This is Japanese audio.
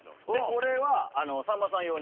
これはさんまさん用に。